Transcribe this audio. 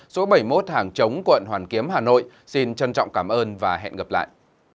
số bảy mươi một hàng chống quận hoàn kiếm hà nội xin trân trọng cảm ơn và hẹn gặp lại